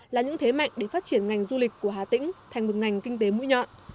là những thế mạnh để phát triển ngành du lịch của hà tĩnh thành một ngành kinh tế mũi nhọn